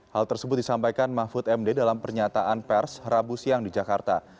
hal tersebut disampaikan mahfud md dalam pernyataan pers rabu siang di jakarta